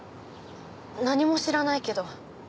何も知らないけど。